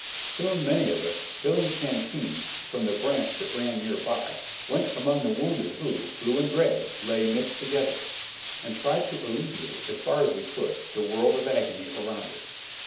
Soon many of us, filling canteens from the branch that ran near by, went among the wounded who (blue and gray) lay mixed together, and tried to alleviate, as far as we could, the world of agony around us.